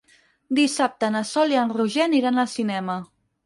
Dissabte na Sol i en Roger aniran al cinema.